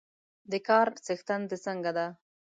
د کار څښتن د څنګه ده؟